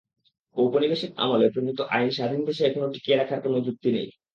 ঔপনিবেশিক আমলে প্রণীত আইন স্বাধীন দেশে এখনো টিকিয়ে রাখার কোনো যুক্তি নেই।